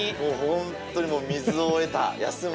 本当に水を得た安村。